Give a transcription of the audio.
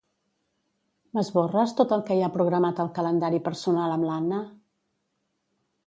M'esborres tot el que hi ha programat al calendari personal amb l'Anna?